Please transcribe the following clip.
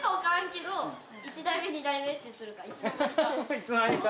いつのまにか？